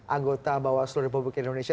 anggota bawaslu republik indonesia